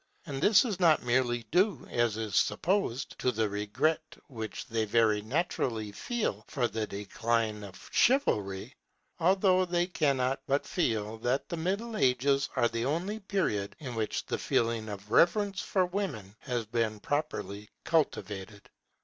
And this is not merely due, as is supposed, to the regret which they very naturally feel for the decline of chivalry, although they cannot but feel that the Middle Ages are the only period in which the feeling of reverence for women has been properly cultivated.